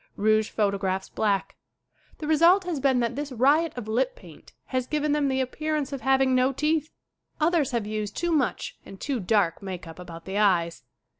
Rouge photographs black. The result has been that this riot of lip paint has given them the appear ance of having no teeth. Others have used too much and too dark make up about the eyes.